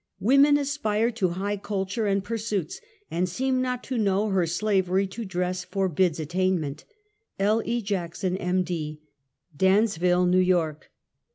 "Woman aspires to high culture and pursuits, and seems not to know her slavery to dress forbids at tainment. L. E. Jackson, M. D., Dansville, New York.